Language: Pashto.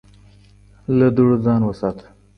له دوړو ځان وساته